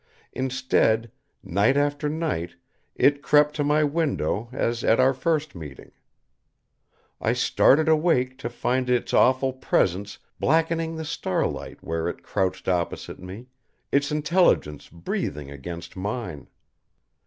Instead, night after night It crept to my window as at our first meeting. I started awake to find Its awful presence blackening the starlight where It crouched opposite me, Its intelligence breathing against mine.